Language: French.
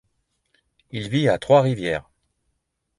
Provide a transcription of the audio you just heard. Il vit à Trois-Rivières.